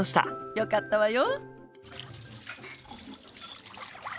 よかったわよ。